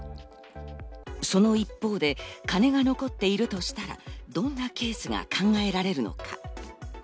その一方で金が残っているとしたらどんなケースが考えられるのか？